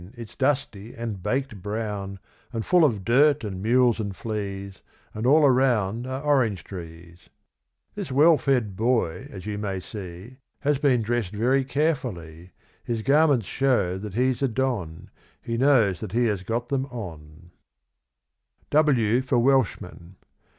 It's dusty and baked brown, And full of dirt and mules and fleas, And all around are orange trees. This well fed boy, as you may see, Has been dressed very carefully; His garments show that he's a Don, He knows that he has got them on. W for Welshman.